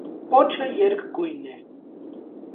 Պոչը երկգույն է։